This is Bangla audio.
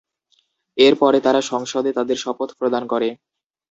এর পরে তারা সংসদে তাদের শপথ প্রদান করে।